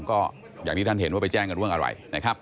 ก็อย่างที่ท่านเห็นว่าไปแจ้งกันเรื่องอะไรนะครับ